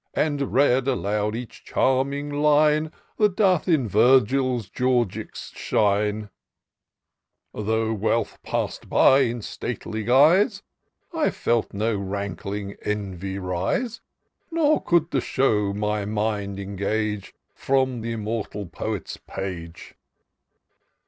And read aloud each charming line. That doth in Virgil's Georgics shine ! Though Wealth pass'd by in stately guise, I felt no rankling envy rise ; IN SEARCH OF THE PICTURESQUE. 333 Nor could the show my mind engage From the immortal poet's page.